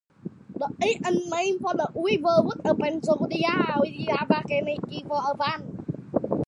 The ancient name for the river was "Pescedona", which is Abenaki for "a branch".